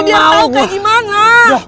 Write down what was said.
biar tau kayak gimana